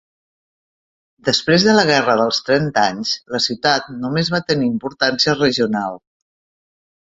Després de la Guerra dels Trenta Anys la ciutat només va tenir importància regional.